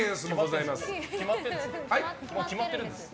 もう決まってるんですけど。